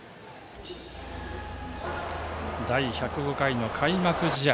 第１０５回の開幕試合。